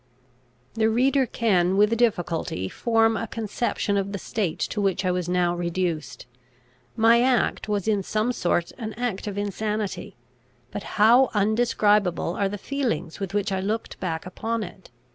The reader can with difficulty form a conception of the state to which I was now reduced. My act was in some sort an act of insanity; but how undescribable are the feelings with which I looked back upon it!